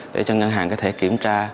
để cho ngân hàng có thể kiểm tra